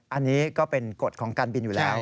อันนี้ก็เป็นกฎของการบินอยู่แล้ว